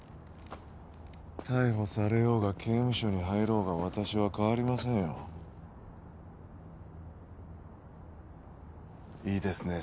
逮捕されようが刑務所に入ろうが私は変わりませんよいいですね